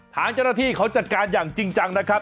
ทางเจ้าหน้าที่เขาจัดการอย่างจริงจังนะครับ